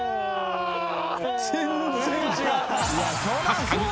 ［確かに］